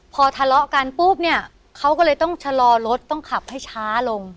พอทะเลาะกันปุ๊บเนี่ยเขาก็เลยต้องชะลอรถต้องขับให้ช้าลง